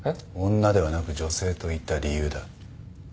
「女」ではなく「女性」と言った理由だ。